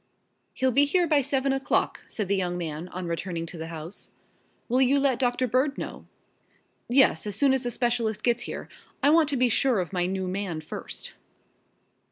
"He'll be here by seven o'clock," said the young man, on returning to the house. "Will you let Doctor Bird know?" "Yes, as soon as the specialist gets here. I want to be sure of my new man first."